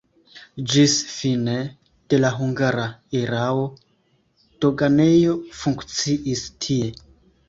Ĝis fine de la hungara erao doganejo funkciis tie.